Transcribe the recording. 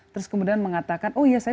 terus kemudian mengatakan oh iya saya